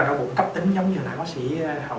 đau bụng cấp tính giống như hồi nãy bác sĩ hậu